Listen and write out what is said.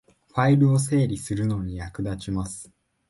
ファイルを整理するのに役立ちます